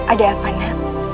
ada apa nda